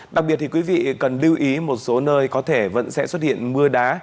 đặc biệt thì quý vị cần lưu ý một số nơi có thể vẫn sẽ xuất hiện mưa đá